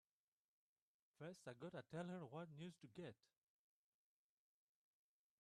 First I gotta tell her what news to get!